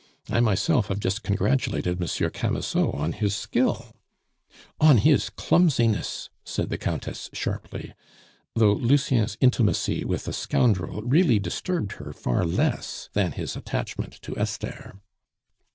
I myself have just congratulated M. Camusot on his skill " "On his clumsiness," said the Countess sharply, though Lucien's intimacy with a scoundrel really disturbed her far less than his attachment to Esther.